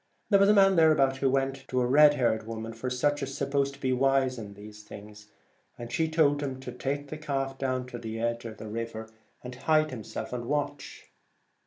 There 126 was a man thereabouts who went to a Kidnappers. red haired woman — for such are supposed to be wise in these things — and she told him to take the calf down to the edge of the river, and hide himself and watch.